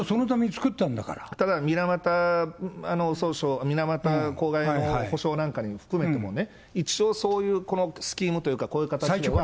ただ、水俣訴訟、水俣公害の補償なんかも含めてもね、一応、そういうスキームというかこういう形は。